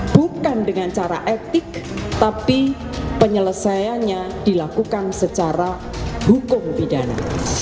bukan dengan cara etik tapi penyelesaiannya dilakukan secara hukum pidana